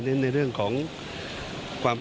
ท่านบุคคลาสมัคร